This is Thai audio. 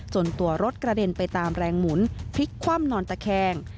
ตัวรถกระเด็นไปตามแรงหมุนพลิกคว่ำนอนตะแคง